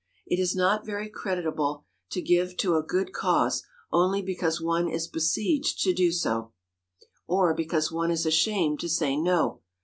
It is not very creditable to give to a good cause only because one is besieged to do so, or because one is ashamed to say "no."